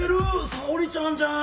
沙織ちゃんじゃん。